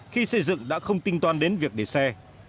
khi xây dựng đã không tính toán đến việc để xe